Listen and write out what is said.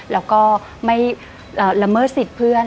แล้วก็ไม่ละเมิดสิทธิ์เพื่อน